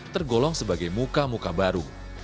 tergolong sebagai muka muka baru